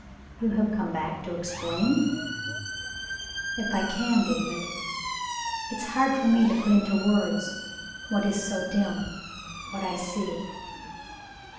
"You have come back to explain ?'* "If I can, David. It's hard for me to put in words what is so dim — what I see.